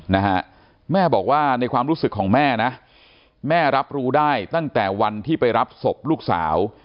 นะฮะแม่บอกว่าในความรู้สึกของแม่นะแม่รับรู้ได้ตั้งแต่วันที่ไปรับศพลูกสาว